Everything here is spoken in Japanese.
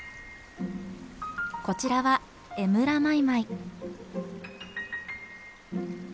こちらはエムラマイマイ。